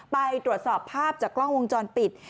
ไปตรวจสอบภาพจากกล้องวงจรปิด